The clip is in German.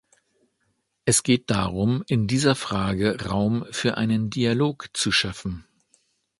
Es geht darum, in dieser Frage Raum für einen Dialog schaffen.